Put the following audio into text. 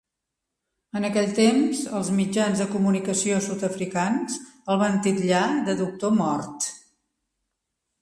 En aquell temps, els mitjans de comunicació Sud-africans el van titllar de "Dr. Mort".